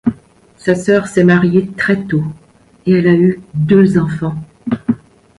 Sa sœur s'est mariée très tôt et elle a eu deux enfants.